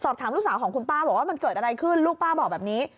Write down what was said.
บอกว่ามันเกิดอะไรขึ้นลูกป้าบอกแบบนี้